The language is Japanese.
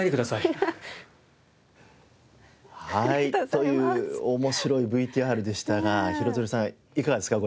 という面白いＶＴＲでしたが廣津留さんいかがですか？